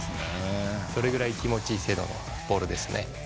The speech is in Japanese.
それぐらい気持ち良い精度のボールですよね。